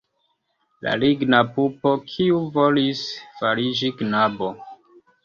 La ligna pupo, kiu volis fariĝi knabo?